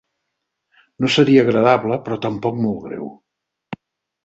No seria agradable però tampoc molt greu.